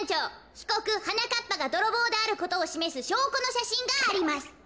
ひこくはなかっぱがどろぼうであることをしめすしょうこのしゃしんがあります。